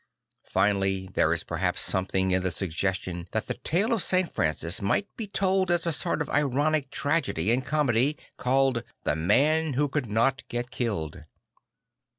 Finally, there is perhaps something in the suggestion that the tale of St. Francis might be told as a sort of ironic tragedy and comedy called The Man Who Could Not Get Killed.